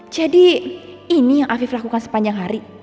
jadi ini yang afif lakukan sepanjang hari